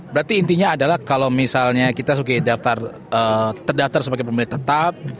berarti intinya adalah kalau misalnya kita terdaftar sebagai pemilih tetap